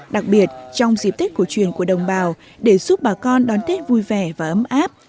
đặc biệt trong dịp tết cổ truyền của đồng bào để giúp bà con đón tết vui vẻ và ấm áp